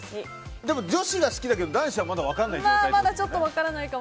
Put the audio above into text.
でも女子が好きだけど男子はまだ分からない状態。